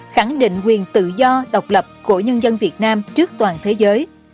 khẳng định quyền tự do độc lập của nhân dân việt nam trước toàn thế giới